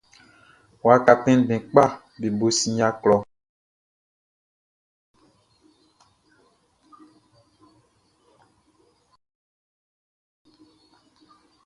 Waka tɛnndɛn kpaʼm be bo sin yia klɔʼn.